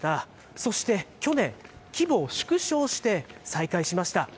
そして去年、規模を縮小して再開しました。